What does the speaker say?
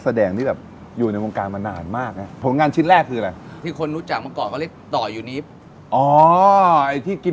อายุเท่าไหร่นะปีนี้